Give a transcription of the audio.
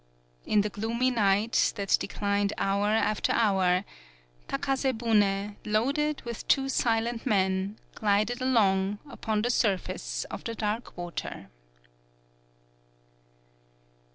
In the gloomy night, that declined hour after hour, Takase bune, loaded with two silent men, glided along upon the surface of the dark water.